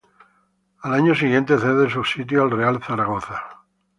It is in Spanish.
Al año siguiente cede su puesto al Real Zaragoza.